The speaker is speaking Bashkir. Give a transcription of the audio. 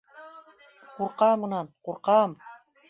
Ҡурҡам, унан ҡурҡам!